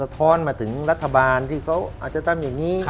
ท้อนมาถึงรัฐบาลที่เขาอาจจะทำอย่างนี้